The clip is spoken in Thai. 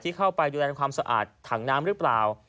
เข้าไปดูแลทำความสะอาดถังน้ำหรือเปล่า